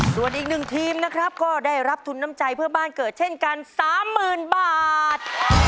ส่วนอีกหนึ่งทีมนะครับก็ได้รับทุนน้ำใจเพื่อบ้านเกิดเช่นกัน๓๐๐๐บาท